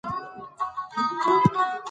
سلطان باور درلود چې تفاهم ممکن دی.